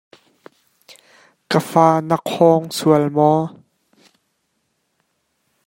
Ka fa, naa khawng sual maw?